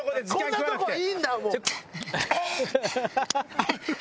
こんなとこはいいんだもう。